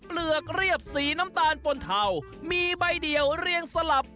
เปลือกเรียบสีน้ำตาลปนเทามีใบเดียวเรียงสลับ